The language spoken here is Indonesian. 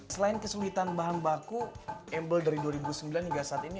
selain kesulitan bahan baku emble dari dua ribu sembilan hingga saat ini